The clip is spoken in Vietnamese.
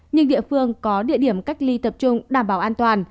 nhưng địa phương có địa điểm cách ly tập trung đảm bảo an toàn